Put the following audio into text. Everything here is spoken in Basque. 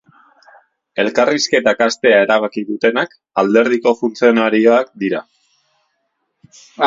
Elkarrizketak hastea erabaki dutenak alderdiko funtzionarioak dira.